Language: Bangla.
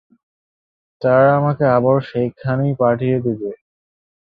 তারা আমাকে আবারো সেখানেই পাঠিয়ে দিবে।